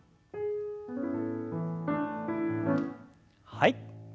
はい。